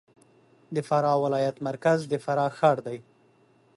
د فراه ولایت مرکز د فراه ښار دی